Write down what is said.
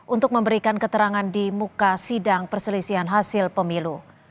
untuk memberikan keterangan di muka sidang perselisihan hasil pemilu